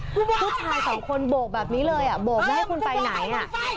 ผู้ชายสองคนโบกแบบนี้เลยอ่ะโบกไม่ให้คุณไปไหนอ่ะ